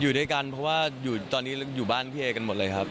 อยู่ด้วยกันเพราะว่าอยู่ตอนนี้อยู่บ้านพี่เอกันหมดเลยครับ